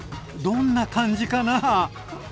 どんな感じかな？